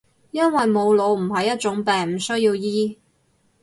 因為冇腦唔係一種病，唔需要醫